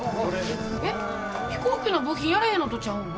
えっ飛行機の部品やらへんのとちゃうの？